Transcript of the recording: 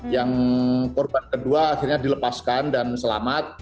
yang korban kedua akhirnya dilepaskan dan selamat